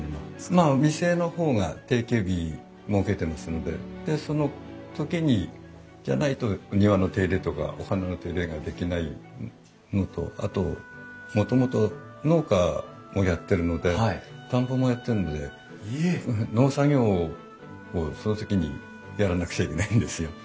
まあ店の方が定休日設けてますのででその時じゃないと庭の手入れとかお花の手入れができないのとあともともと農家もやってるので田んぼもやってるので農作業をその時にやらなくちゃいけないんですよ。